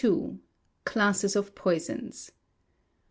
Classes of Poisons.